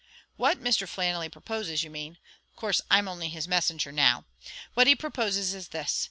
"What Mr. Flannelly proposes, you mean; of course I'm only his messenger now. What he proposes is this.